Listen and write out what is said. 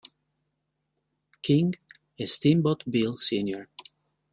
King e Steamboat Bill sr.